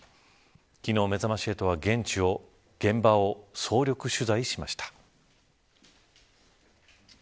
昨日、めざまし８は現地を現場を総力取材しました。